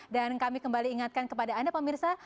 dan kami kembali ingatkan kepada anda pemirsa